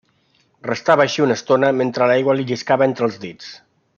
Restava així una estona, mentres l'aigua li lliscava entre els dits.